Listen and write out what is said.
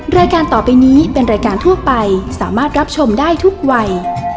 รายการต่อไปนี้เป็นรายการทั่วไปสามารถรับชมได้ทุกวัย